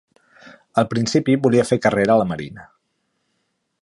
Al principi, volia fer carrera a la Marina.